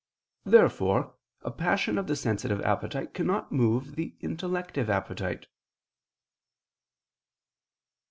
Therefore a passion of the sensitive appetite cannot move the intellective appetite.